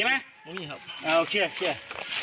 เต็ปยังวางเต็ปยังมึง